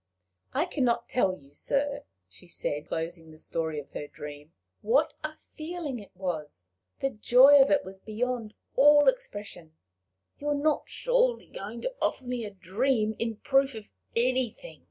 "I can not tell you, sir," she said, closing the story of her dream, "what a feeling it was! The joy of it was beyond all expression." "You're not surely going to offer me a dream in proof of anything!"